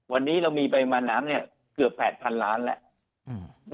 วันนี้เรามีปริมาณน้ำเกือบ๘๐๐๐ล้านแล้ว